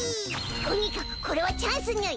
とにかくこれはチャンスにゅい！